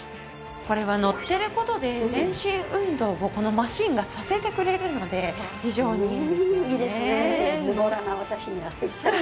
これはのってる事で全身運動をこのマシンがさせてくれるので非常にいいんですよね。